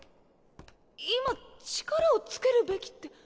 今力を付けるべきって。